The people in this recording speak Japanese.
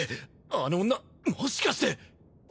あの女もしかして。